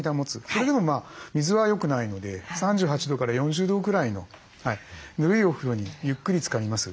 それでも水はよくないので３８度から４０度ぐらいのぬるいお風呂にゆっくりつかります。